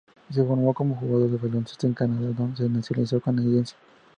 Se formó como jugador de baloncesto en Canadá, donde se nacionalizó canadiense.